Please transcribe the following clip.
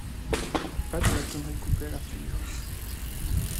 pas de la connerie coupée à l'intelligence.